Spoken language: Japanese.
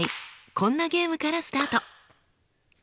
こんなゲームからスタート。